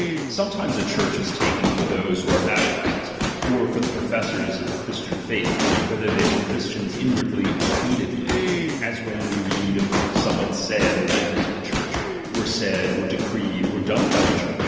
Sometimes a Church is ^H taken for those who are baptized, or for the pro ^H feasors of the Christian faith, whether they be ^H Christians inwardly or feignedly ; as when we ^H read of somewhat said or written to the Church, ^H or said, or decreed, or done by the Church.